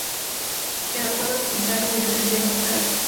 Evacuado al hospital, murió tres días más tarde.